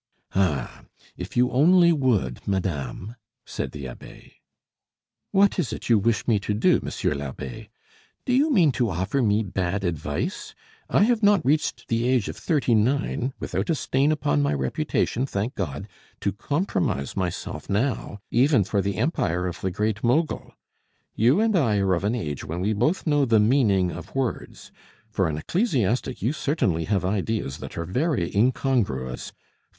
"Ah! if you only would, madame " said the abbe. "What is it that you wish me to do, monsieur l'abbe? Do you mean to offer me bad advice? I have not reached the age of thirty nine, without a stain upon my reputation, thank God! to compromise myself now, even for the empire of the Great Mogul. You and I are of an age when we both know the meaning of words. For an ecclesiastic, you certainly have ideas that are very incongruous.